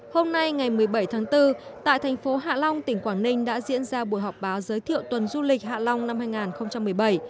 hôm nay ngày một mươi bảy tháng bốn tại thành phố hạ long tỉnh quảng ninh đã diễn ra buổi họp báo giới thiệu tuần du lịch hạ long năm hai nghìn một mươi bảy